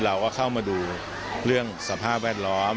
เราก็เข้ามาดูเรื่องสภาพแวดล้อม